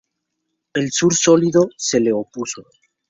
El Sur Sólido se le opuso.